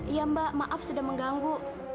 iya mbak maaf sudah mengganggu